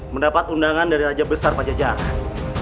mendapat undangan dari raja besar pajajaran